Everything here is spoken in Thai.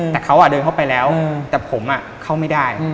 แต่เขาเดินเข้าไปแล้วแต่ผมเข้าไม่ได้